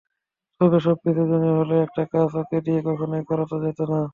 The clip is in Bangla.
তবে সবচেয়ে জুনিয়র হলেও একটা কাজ ওকে দিয়ে কখনোই করানো যেত না।